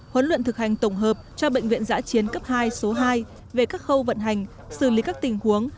huấn luyện thực hành tổng hợp cho bệnh viện giã chiến cấp hai số hai về các khâu vận hành xử lý các tình huống